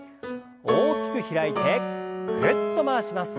大きく開いてぐるっと回します。